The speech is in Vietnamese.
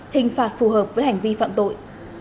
hình phạt phù hợp với hành vi phạm tội